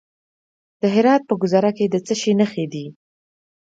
د هرات په ګذره کې د څه شي نښې دي؟